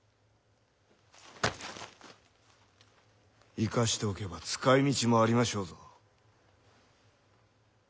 生かしておけば使いみちもありましょうぞ。